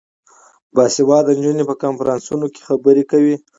باسواده نجونې په کنفرانسونو کې خبرې کوي.